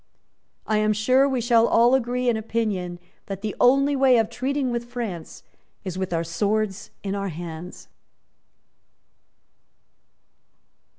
"I am sure we shall all agree in opinion that the only way of treating with France is with our swords in our hands."